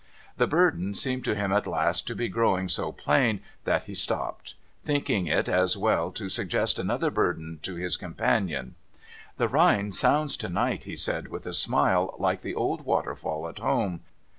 The burden seemed to him, at last, to be growing so plain, that he stopped; thinking it as well to suggest another burden to his companion. ' The Rhine sounds to night,' he said with a smile, ' like the old waterfall at home.